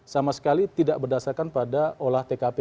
sama sekali tidak berdasarkan pada olah tkp